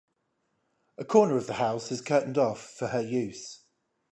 A corner of the house is curtained off for her use.